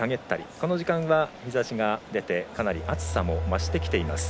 この時間は日ざしが出てかなり暑さも増してきています。